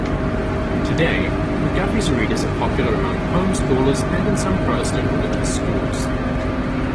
Today, McGuffey's Readers are popular among homeschoolers and in some Protestant religious schools.